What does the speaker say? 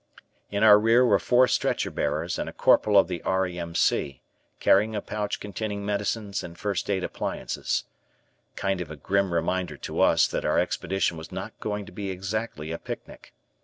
In our rear were four stretcher bearers and a Corporal of the R.A.M.C. carrying a pouch containing medicines and first aid appliances. Kind of a grim reminder to us that our expedition was not going to be exactly a picnic.